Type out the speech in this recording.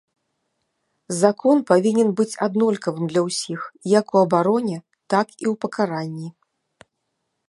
Закон павінен быць аднолькавым для ўсіх, як у абароне, так і ў пакаранні.